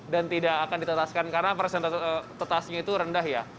dan tidak akan ditetaskan karena presentasinya itu rendah ya